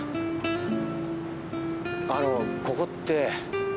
あのここって。